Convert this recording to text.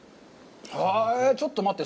ちょっと待って。